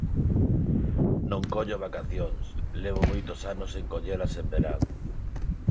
Non collo vacacións, levo moitos anos sen collelas en verán.